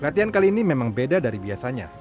latihan kali ini memang beda dari biasanya